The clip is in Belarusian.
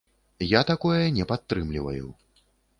Я такое не падтрымліваю.